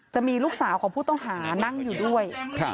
จะมีลูกสาวของผู้ต้องหานั่งอยู่ด้วย